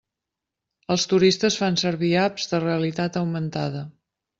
Els turistes fan servir apps de realitat augmentada.